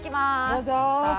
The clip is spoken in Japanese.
どうぞ。